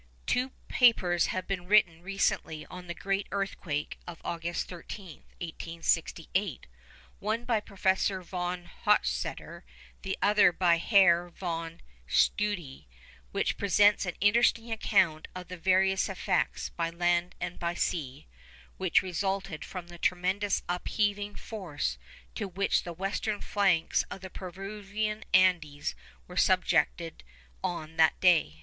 Two papers have been written recently on the great earthquake of August 13, 1868, one by Professor Von Hochstetter, the other by Herr Von Tschudi, which present an interesting account of the various effects, by land and by sea, which resulted from the tremendous upheaving force to which the western flanks of the Peruvian Andes were subjected on that day.